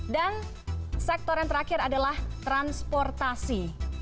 dan sektor yang terakhir adalah transportasi